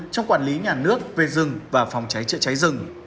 trong quản lý nhà nước về rừng và phòng cháy chữa cháy rừng